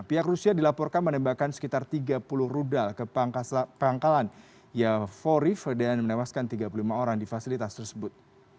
pihak rusia dilaporkan menembakkan sekitar tiga puluh rudal ke pangkalan ya voriv dan menewaskan tiga puluh lima orang di fasilitas tersebut